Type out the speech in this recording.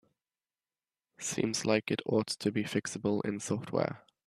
Seems like it ought to be fixable in software.